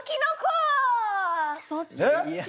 そっち？